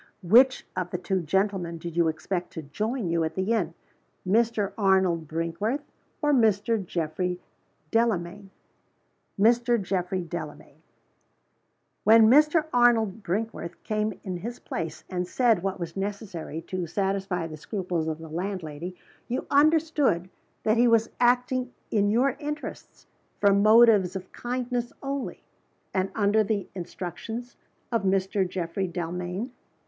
"Which of the two gentlemen did you expect to join you at the inn Mr. Arnold Brinkworth, or Mr. Geoffrey Delamayn?" "Mr. Geoffrey Delamayn." "When Mr. Arnold Brinkworth came in his place and said what was necessary to satisfy the scruples of the landlady, you understood that he was acting in your interests, from motives of kindness only, and under the instructions of Mr. Geoffrey Delamayn?"